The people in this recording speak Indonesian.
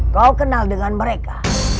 kau kenal dengan mereka